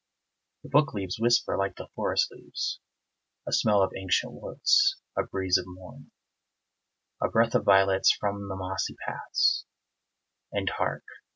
The book leaves whisper like the forest leaves; A smell of ancient woods, a breeze of morn, A breath of violets from the mossy paths And hark!